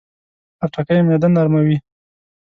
خټکی معده نرموي.